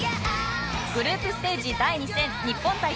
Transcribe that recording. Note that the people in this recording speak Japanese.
グループステージ第２戦日本対